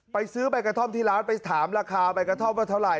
ซื้อใบกระท่อมที่ร้านไปถามราคาใบกระท่อมว่าเท่าไห